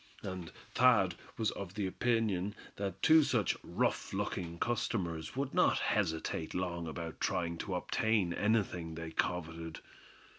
And Thad was of the opinion that two such rough looking customers would not hesitate long about trying to obtain anything they coveted.